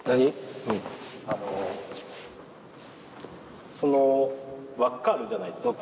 あのその輪っかあるじゃないですか。